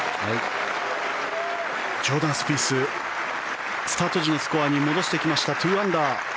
ジョーダン・スピーススタート時のスコアに戻してきました、２アンダー。